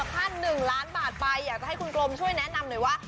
ไปติดตามกันเลยว่า